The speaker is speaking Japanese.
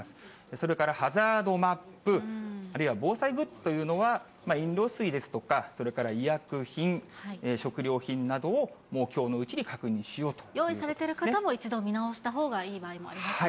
それからハザードマップ、あるいは防災グッズというのは、飲料水ですとかそれから医薬品、食料品などを、用意されてる方も、一度、見直したほうがいい場合もありますよね。